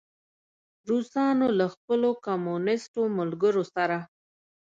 روسانو له خپلو کمونیسټو ملګرو سره.